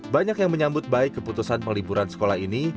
banyak yang menyambut baik keputusan peliburan sekolah ini